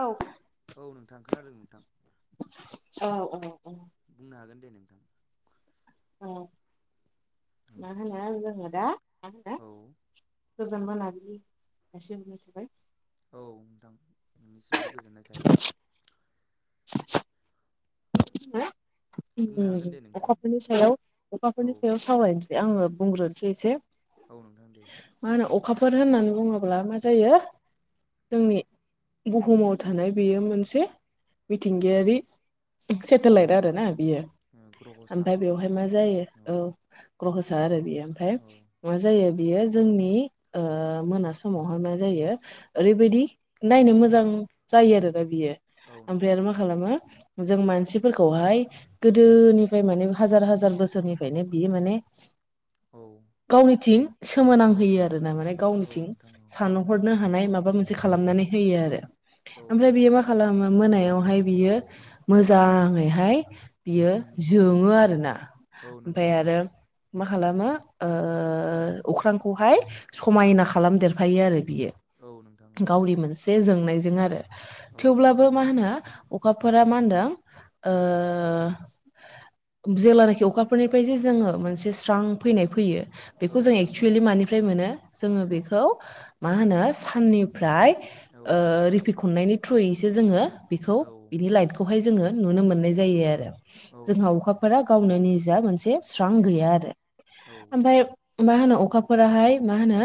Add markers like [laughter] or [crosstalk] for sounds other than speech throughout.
औ औ नोंथां खोनादों नोंथां? औ औ औ बुंनो हागोन दे नोंथां। औ मा होनो जोङो दा मा होनो औ गोजोन मोनाबिलि [inaudible] औ नोंथां नोंनिसिमबो गोजोननाय थाहैबाय। बुंनो उम हागोन दे नोंथां अखाफोरनि सायाव औ अखाफोरनि सायाव सावरायनोसै आङो। बुंग्रोनोसै एसे औ नोंथां दे। मा होनो अखाफोर होननानै बुङोब्ला मा जायो जोंनि बुहुमाव थानाय बेयो मोनसे मिथिंगायारि औ सेटेलाइट आरोना बियो ग्रह'सा ओमफ्राय बेवहाय मा जायो औ ग्रहसा आरो बेयो ओमफ्राय औ मा जायो बियो जोंनि ओ मोना समावहाय मा जायो ओरैबायदि नायनो मोजां जायो आरो दा बियो औ ओमफ्राय नोंथां आरो औ मा खालामो जों मानसिफोरखौहाय गोदोनिफ्राय माने हाजार हाजार बोसोरनिफ्रायनो बियो माने औ गावनिथिं सोमोनांहोयो आरो आरो ना माने औ गावनिथिं नोंथां औ सानहरनो हानाय माबा मोनसे खालामनानै होयो आरो। औ ओमफ्राय नोंथां बियो मा औ खालामो मोनायावहाय बियो मोजाङैहाय बियो जोङो आरोना औ नोंथां औ ओमफ्राय नोंथां औ आरो मा खालामो अख्रांखौहाय समायना खालामदेरफायो आरो औ नोंथां औ नोंथां औ बियो गावनि मोनसे जोंनायजों आरो औ थेवब्लाबो मा होनो अखाफोरा मा होनदों ओ जेलानाखि अखाफोरनिफ्राय जे जोङो मोनसे स्रां फैनाय फैयो औ बेखौ जों नोंथां औ एक्सुयेलि मानिफ्राय मोनो जोङो बेखौ मा होनो साननिफ्राय औ रिफिखननायनि थ्रुयैसो जोङो बेखौ बिनि लाइटखौ खौहाय जोङो नुनो मोननाय जायो आरो जोंहा अखाफोरा गावनो नि जा मोनसे स्रां गैया आरो ओमफ्राय मा होनो अ अखाफोराहाय मा होनो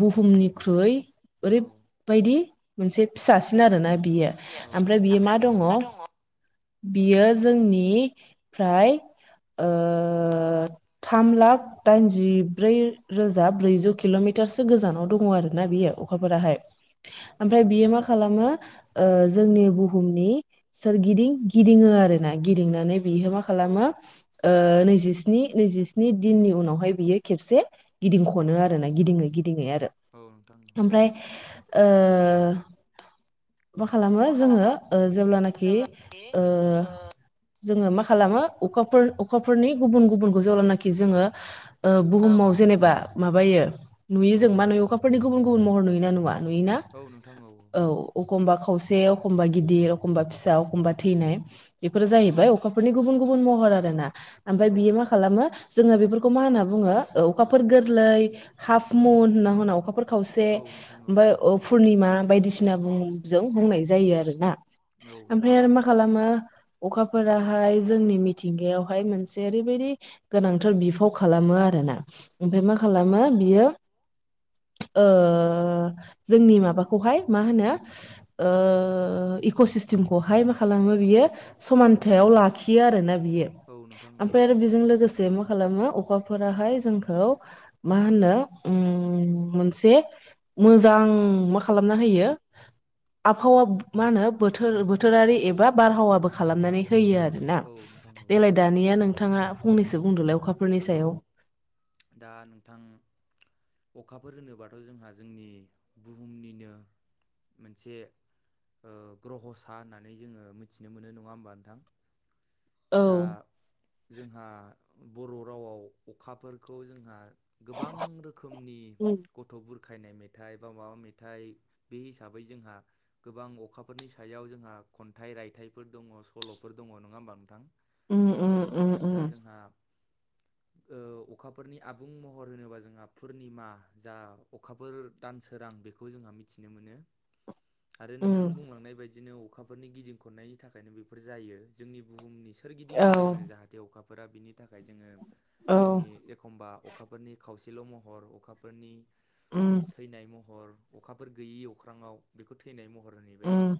बुहुमनिख्रुइ औ ओरैबायदि मोनसे फिसासिन आरोना बियो ओमफ्राय बियो मा मा दङ बियो जोंनि फ्राय थाम लाख दाइनजिब्रै रोजा ब्रैजौ किल'मिटार सो गोजानाव दङ आरो। ना बियो अखाफोराहाय ओमफ्राय बियो मा खालामो जोंनि बुहुमनि सोरगिदिं गिदिङो आरो ना गिदिंनानै बिहयो मा खालामो ओ नैजिस्नि नैजिस्नि दिननि उनावहाय बियो खेबसे गिदिंख गनो औ आरोना गिदिङै गिदिङै आरो औ नोंथां औ ओमफ्राय ओ मा खालामो जोङो जायनाखि जेब्लाखि ओ‌ ओ जोङो मा खालामो अखाफोर अखाफोरनि गुबुन गुबुनखौ जेब्लानाखि जोङो ओ बुहुमाव बुहुम जेनेबा माबायो नुयो औ जों मा नुयो अखाफोरनि गुबुन गुबुन महर नुयो ना नुवा? नुयो ना? औ नोंथां औ एखमबा खावसे एखमबा गिदिर एखमबा फिसा एखमबा थैनाय बेफोरो औ जाहैबाय अखाफोरनि गुबुन गुबुन महर आरो ना। ओमफ्राय औ बियो मा नोंथां औ खालामो जोङो बेफोरखौ खौ मा होनना‌ बुङो अखाफोर गोरलै हाप मुन खावसे औ नोंथां औ औ ओमफ्राय फुर्निमा बायदिसिना बुहुमजों बुंनाय जायो आरो ना। औ नोंथां ओमफ्राय औ आरो मा खालामो अखाफोराहाय जोंनि मिथिंगायावहाय मोनसे ओरैबायदि गोनांथार बिफाव खालामो आरो। ओमफ्राय मा खालामो बियो ओ जोंनि माबाखौहाय मा होनो इक' सिस्टेमखौहाय मा खालामो बियो समानथायाव लाखियो आरोना। औ नोंथां औ ओमफ्राय आरो बिजों लोगोसे मा खालामो अखाफोराहाय जोंखौ मा होनो मोनसे मोजां मा खालामना होयो आबहावा मा होनो बोथोरारि एबा बारहावाबो खालामनानै होयो आरोोना औ नोंथां औ देग्लाय दानिया नों नाङा फंनैसो बुंदोलाय अखा औ दा नोंथां अखाफोर होनोबाथ' जोंहा जोंनि बुहुमनिनो मोनसे ग्रह'सा होननानै जोङो मिथिनो मोनो नङा होमबा नोंथां? औ दा जोंहा बर' रावआव अखाफोरखौ जोंहा गोबां रोखोमनि उम गथ'फोर बुरखायनाय मेथाइ बा माबा मेथाइ बे हिसाबै जोंहा गोबां अखाफोरनि सायाव जोंहा खन्थाइ रायथाइफोर दङ सल'फोर दङ नङा होमबा नोंथां? उ उ उ उ। दा [inaudible] ओ अखाफोरनि आबुं महर होनोबा जोंहा पुर्निमा जा अखाफोर दानसोरां रां बेखौ जोंहा मिथिनो मोनो। आरो उम नोंथां बुंलांनाय बायदिनो अखाफोरनि गिदिं खननायनि थाखायनो बेफोर जायो जोंनि बुहुमनि सोर गिदिं औ गिदिङो जाहाथे अखाफोरा बिनि थाखाय जोङो औ जोंनि एखमबा अखाफोरनि खावसेल' महर अखाफोरनि उम थैनाय महर अखाफोर गैयि अख्रांङाव बेखौ थैनाय महर हरहैबाय उम जोङो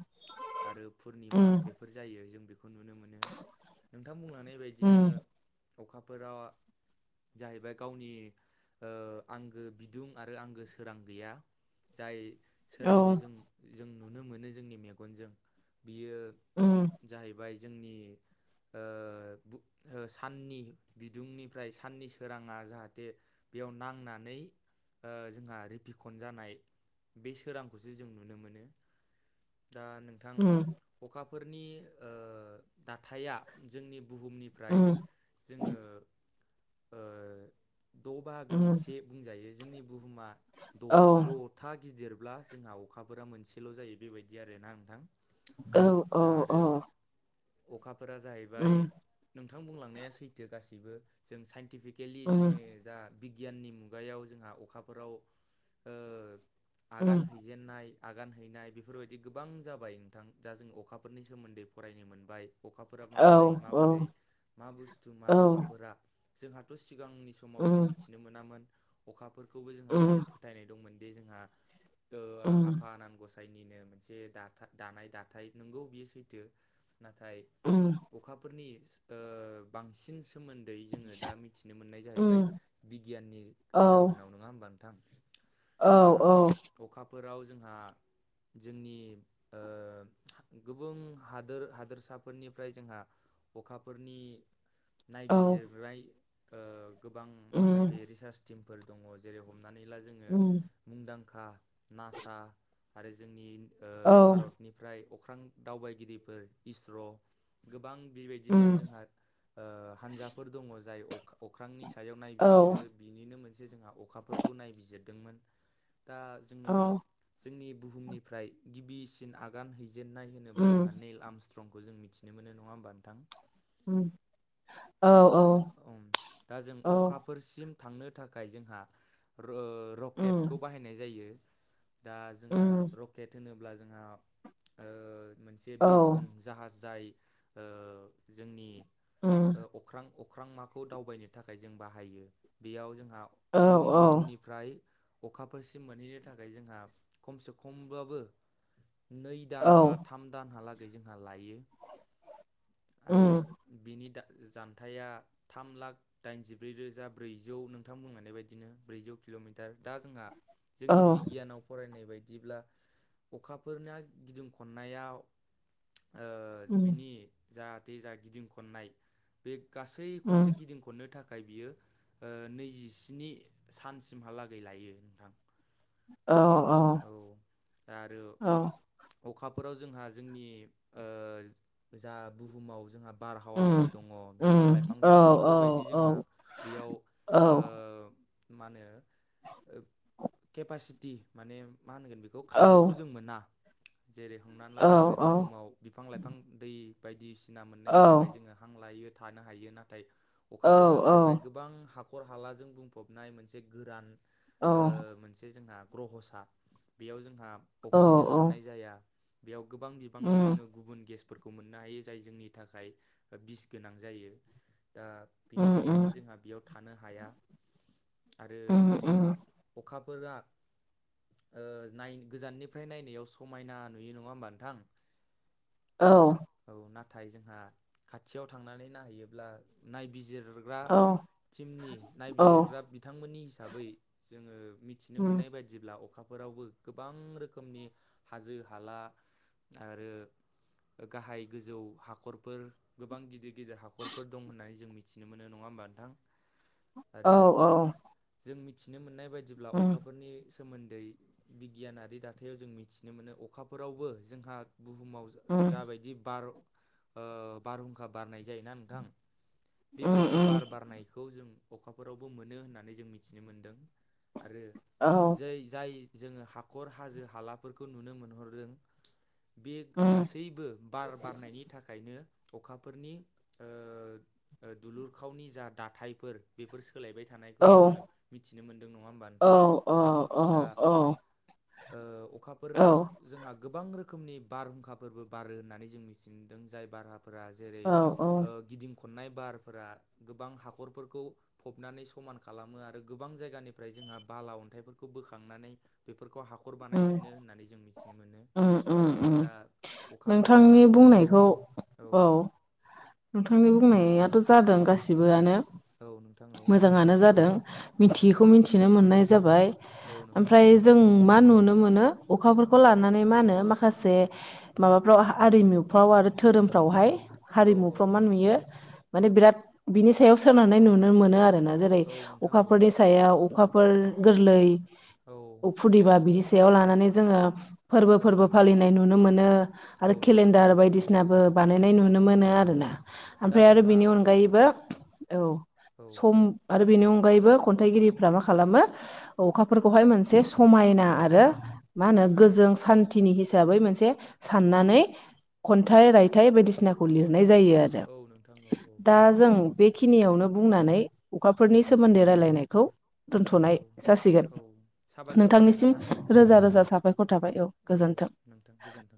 आरो पुर्निमा उम बेफोर जायो जों बेखौ खौ नुनो मोनो नोंथां बुंनानै बदिनो उम अखाफोराव जाहैबाय गावनि आंगो बिदुं आरो आंगो सोरां गैया। जाय औ सोरांखौ जों जों नुनो मोनो जोंनि मेगनजों। बियो उम जाहैबाय जोंनि साननि बिदुंनिफ्राय साननि सोराङा जाहाथे बेयाव नांनानै जोंहा रिपिकन जानाय बे सोरांखौसो जों नुनो मोनो। दा नोंथां उम अखाफोरनि ओ दाथाया जोंनि बुहुमनिफ्राय उम जोङो द' बाहागोनि उम से बुंजायो जोंनि बुहुमा औ द'था गिदिर ब्ला जोंहा अखाफोरा मोनसेल' जायो बेबायदि आरोना नोंथां। औ औ दा औ आरो अखाफोरा जाहैबाय उम नोंथां बुंलांनाया सैथो गासैबो जों साइन टिफिकेलि उम जोंङो दा बिगियाननि मुगायाव जोंहा अखाफोराव ओ उम आगान हैजेननाय आगान हैनाय बेफोरबायदि गोबां जाबाय नोंथां दा जों अखाफोरनि सोमोन्दै फरायनो मोनबाय अखाफोरा औ माबोरै औ माबोरै मा बुस्थु मार औ अखाफोरा जोंहाथ सि सिगांनि समाव जों उम मिथिनो मोनामोन अखाफोरखौबो जोंहा मोनसे उम फोथायनाय दंमोन दि जोंहा ओ उम आफा आनान‌ गस साइनिनो मोनसे दानाथा दानाय दाथाय नोंगौ बियो सैथो नाथाय उम अखाफोरनि ओ बांसिन सोमोन्दै जोंङो दा मिथिनो मोननाय उम जाहैबाय बिगियाननि औ जाहोनाव नोंङा होमबा नोंथां। औ औ। फोराव जोंहा जोंनि ओ गुबुन हादोर हादोरसाफोरनिफ्राय जोंहा अखा फोरनि औ नायबिजिरनाय ओ गोबां माखासे उम रिसार्च टिम फोर दंङ जेरै हमनानै ला जोंङो उम मुंदां खा नासा आरो जोंनि ओ औ भारतनिफ्राय अख्रां दावबायगिरिफोर इस्र' गोबां बि दिनो उम जोंहा ओ हान्जाफोर दंङ जाय अख अख्रांनि सायाव औ नायबिजिरो बिनिनो मोनसे जोंहा अखाफोरखौ नायबिजिरदोंमोन। दा जोंङो औ जोंनि बुहुमनिफ्राय गिबिसिन आगान है जेननाय होनोब्ला उम जोंहा नील आर्मस्ट्रांगखौ मिथिनो मोन नङा होमबा नोंथां। उम औ औ ओम दा जों औ अखाफोरसिम थांनो थाखाय जोंहा र' ओ उम रकेटखौ बाहायनाय जायो। दा जोंहा उम रकेट होनोब्ला जोंहा ओ मोनसे औ बिरखं जाहाज जाय ओ जोंनि उम ओ अख अख्रां माखौ दावबायनो थाखाय जों बाहायो बेयाव जों हा औ जोंनि औ बुहुमनिफ्राय अखाफोरसिम मोनहैनो थाखाय जोंहा खमसे खमबाबो नै दान औ बा थाम दानहालागै जोंहा लायो। आरो उम बिनि दा जान थाया थाम लाख दाइनजिब्रै रोजा ब्रैजौ नोंथां बुंलांनाय बायदिनो ब्रैजौ किल'मिटार। दा जोंहा औ जोंनि बिगियानाव फरायनाय। बायदिब्ला अखाफोरना गिदिं खननायाव ओ उम बिनि जाहाथे जा गिदिं खननाय बे गासै उम खनसे गिदिं खननो थाख खाय बियो ओ नैजिस्नि सानसिमहालागै लायो नोंथां। औ आरो। औ अखाफोराव जोंहा जोंनि ओ जा बुहुमाव जोंहा। बारहावाफोर उम दंङ बिफां उम लाइफां औ दंङ बेफोरबायदि औ जोंहा बेयाव औ ओ माहोनो केपासिटि माने मा होनगोन बेखौ औ खाबुखौ जों मोना जेरै हमनानै ला औ जोंङो बुहुमाव बिफां लाइफां दै दिसिना औ मोननायनि थाखाय जोनङो हां लायो थानो हायो नाथाय औ अखाफोरा जाहैबाय गोबां हाब खर हालाजों बुंफबनाय मोनसे गोरान औ ओ मोनसे जोंहा। ग्रह'सा बेयाव जोंहा औ अक्सिजेन औ मोननाय जाया बेयाव गोबां बिबांनि उम जोंङो गुबुन गेस फोरखौ मोननो हायो जाय जोंनि थाखाय बिस गोनां जायो। दा बिनि उम थाखायनो उम जोंहा बेयाव थानो हाया। आरो उम उम जोंहा अखाफोरा। ओ नाय गोजाननिफ्राय नायनायाव समायना नुयो नङा होमबा नोंथां? औ। औ नाथाय जोंहा खाथियाव थांनानै नायहैयोब्ला नायबिजिर ग्रा औ टिमनि औ नायबिजिरग्रा बिथांमोननि हिसाबै जोङो मिथिनो उम मोननाय ब्ला अखाफोरावबो गोबां रोखोमनि हाजो हाला आरो गाहाय गोजौ हाखरफोर गोबां गिदिर गिदिर हाखरफोर दं होननानै जों मिथिनो मोनो नङा ओमबा नोंथां औ आरो औ जों मिथिनो मोननाय बायदिब्ला उम अखाफोरनि सोमोन्दै बिगियानारि दाथायाव जों मिथिनो मोनो अखाफोरावबो जोंहा बुहुमाव उम जाबायदि बार ओ बारहुंखा बारनाय जायोना नोंथां उम बेबायदि उम बार बारनायखौ जों अखाफोरावबो मोनो होननानै जों मिथिनो मोनदों। आरो औ जै जाय जोङो हाखर हाजो हालाफोरखौ नुनो मोनहरदों। बे उम गासैबो बार बारनायनि थाखायनो अखाफोरनि ओ ओ दुलुरखावनि जा दाथायफोर बेफोर सो सोलायबाय औ थानायखौ जोङो मिथिनो मोनदों नङा होमबा नोंथां? अ दा अ ओ अखाफोराव जोंहा गोबां रो खोमनि बारहुंखाफोरबो बारो होननानै जों मिथिदों जाय बाराफोरा जेरै ओ गिदिं खननाय बार फोर गोबां हाखरफोरखौ फबनानै समान खालामो आरो गोबां जायगानिफ्राय जोंहा बाला अन्थाइफोरखौ बोखांनानै फोरखौ हाखर उम बानायफिनो होननानै जों मिथिनो मोनो उम उम दा अखाफोरा बेखौ औ नोंथांनि बुंनायाथ' जादों गासिबोआनो। औ नोंथां। औ मोजाङानो जादों औ मिथियैखौ मिथिनो मोननाय जाबाय औ नोंथां ओमफ्राय औ जों मा नुनो मोन नो अखाफोरखौ लानानै मा होनो माखासे माबाफ्राव आरिमुफ्राव आरो धोरोमफ्रावहाय औ हारिमु औ यो माने बिराद बिनि सायाव सोननानै नुनो मोनो आरोना। जेरै औ नोंथां औ अखाफोरनि सायाव अखाफोर गोरलै औ फुदिबा बिदि सायाव लानानै जोङो फोरबो औ फोरबो फालिनाय नुनो मोनो आरो औ नोंथां औ केलेन्डार बायदिसिनाबो बानायनाय नु नुनो मोनो आरो औ ना। दा ओमफ्राय आरो जोंहा बेनि औ अनगायैबो नोंथां औ औ सम आरो बेनि अ नगायैबो खन्थाइगिरिफ्रा मा खालामो अखाफोरखौहाय मोनसे समायना आरो मा होनो औ गोजों सान्थिनि हि साबै मोनसे साननानै खन्थाइ रायथाइ बायदिसिनाखौ लिरनाय जायो। औ नोंथां औ दा जों बेखिनियावनो बुंनानै अखाफोरनि सोमोन्दै रायलायनायखौ औ दोनथ'नाय जासिगोन औ साबायखर थाबाय नोंथांनिसिम नोंथां रोजा रोजा साबाय खर थाबाय औ गोजोन्थों। नोंथां गोजोन्थों